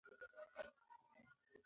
هغه په ارامۍ سره خپله ساه اخلې.